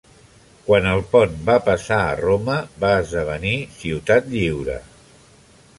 Quan el Pont va passar a Roma, va esdevenir ciutat lliure.